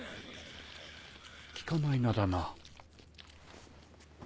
聞かない名だな。